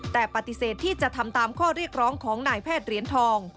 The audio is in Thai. แต่ปฏิเสธที่จะทำตามข้อเรียกร้องของนายแพทย์เหรียญทอง